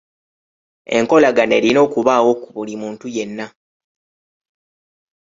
Enkolagana erina okubaawo ku buli muntu yenna.